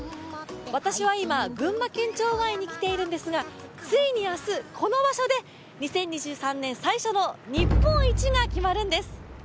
私は今、群馬県庁前に来ているんですが、ついに明日、この場所で２０２３年最初の日本一が決まるんです！